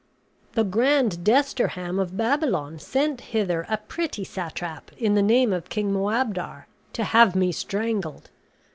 "The grand Desterham of Babylon sent hither a pretty satrap in the name of King Moabdar, to have me strangled.